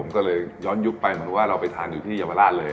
ผมก็เลยย้อนยุคไปเหมือนว่าเราไปทานอยู่ที่เยาวราชเลย